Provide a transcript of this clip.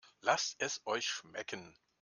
Lasst es euch schmecken!